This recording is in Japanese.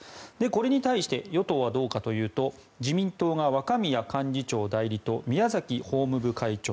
これに対して与党はどうかというと自民党が若宮幹事長代理と宮崎法務部会長。